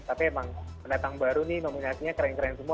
tapi emang pendatang baru nih nominasinya keren keren semua